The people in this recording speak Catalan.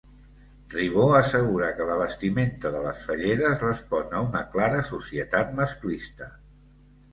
Ribó assegura que la vestimenta de les falleres respon a una clara societat masclista